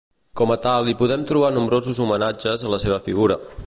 Com a tal, hi podem trobar nombrosos homenatges a la seva figura.